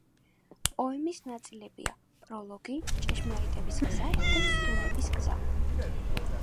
პოემის ნაწილებია: პროლოგი, ჭეშმარიტების გზა და ცდუნების გზა.